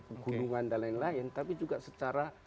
ke gunungan dan lain lain tapi juga secara